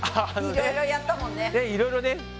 いろいろね。